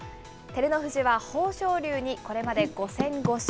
照ノ富士は、豊昇龍にこれまで５戦５勝。